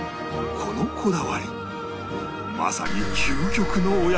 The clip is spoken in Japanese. このこだわりまさに究極の親子丼です